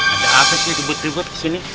ada atasnya ribet ribet disini